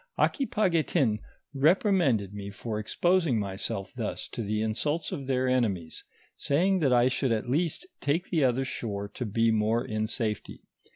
Aquipaguetin reprimanded me for exposing myself thus to the insults of their enemies, saying that I should at least take the other shore to be more in safety.